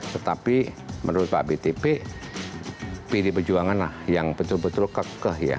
tetapi menurut pak btp pdi perjuangan lah yang betul betul kekeh ya